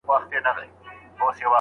یا په ظلم یا انصاف به ختمېدلې